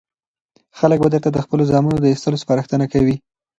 خلک به درته د خپلو زامنو د ایستلو سپارښتنه کوي.